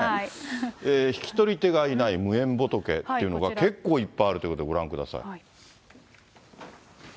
引き取り手がいない無縁仏っていうのが結構いっぱいあるということで、ご覧ください。